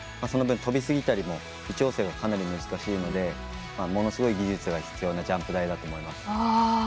その分、飛びすぎだり微調整が難しいのでものすごい技術が必要なジャンプ台だと思います。